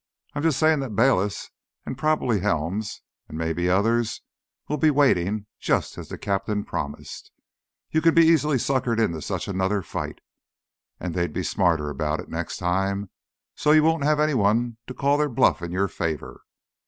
I'm just saying that Bayliss and probably Helms—maybe others—will be waiting, just as the captain promised. You can be easily suckered into just such another fight. And they'd be smarter about it next time, so you won't have anyone to call their bluff in your favor.